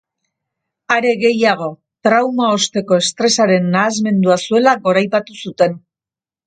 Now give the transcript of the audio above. Are gehiago, trauma osteko estresaren nahasmendua zuela goraipatu zuten.